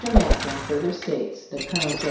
Matson further states that Col. Jos.